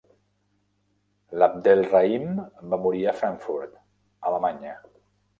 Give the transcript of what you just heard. L'Abdel-Rahim va morir a Frankfurt, Alemanya.